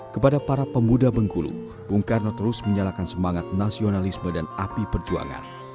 kepada para pemuda bengkulu bung karno terus menyalakan semangat nasionalisme dan api perjuangan